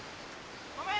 ・ごめん！